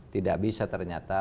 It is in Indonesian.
tidak bisa ternyata